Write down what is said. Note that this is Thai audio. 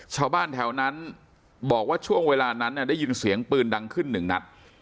ชาวบ้านแถวนั้นบอกว่าช่วงเวลานั้นเนี่ยได้ยินเสียงปืนดังขึ้นหนึ่งนัด